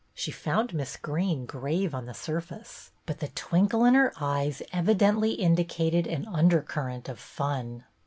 She found Miss Greene grave on the surface, but the twinkle in her eyes evidently indicated an undercurrent of fun.